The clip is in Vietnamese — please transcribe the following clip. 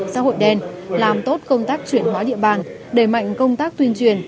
xã hội đen làm tốt công tác chuyển hóa địa bàn đẩy mạnh công tác tuyên truyền